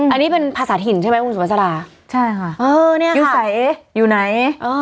อันนี้เป็นภาษาถิ่นใช่ไหมอุงสุภาษาใช่ค่ะอยู่ใส่อยู่ไหน